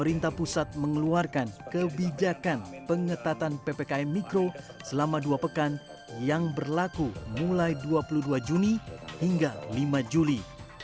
pemerintah pusat mengeluarkan kebijakan pengetatan ppkm mikro selama dua pekan yang berlaku mulai dua puluh dua juni hingga lima juli